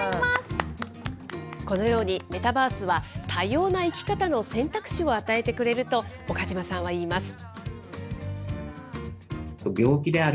このようにメタバースは、多様な生き方の選択肢を与えてくれると、岡嶋さんはいいます。